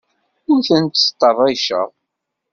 Ur ten-ttṭerriceɣ.